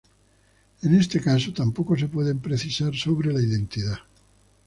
En este caso tampoco se puede precisar sobre la identidad.